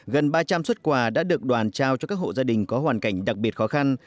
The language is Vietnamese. gần ba trăm linh xuất quà đã được đoàn trao cho các hộ gia đình có hoàn cảnh đặc biệt khó khăn